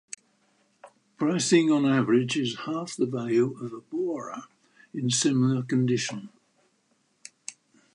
Pricing on average is half the value of a Bora in similar condition.